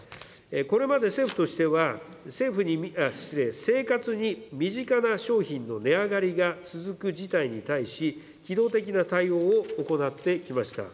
これまで政府としては、失礼、生活に身近な商品の値上がりが続く事態に対し、機能的な対応を行ってきました。